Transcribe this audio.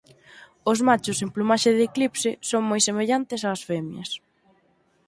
Os machos en plumaxe de eclipse son moi semellantes ás femias.